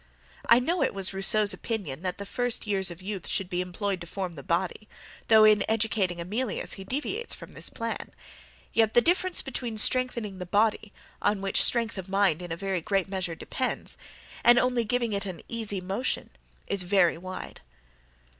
I know it was Rousseau's opinion that the first years of youth should be employed to form the body, though in educating Emilius he deviates from this plan; yet the difference between strengthening the body, on which strength of mind in a great measure depends, and only giving it an easy motion, is very wide.